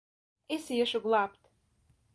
Es iešu glābt!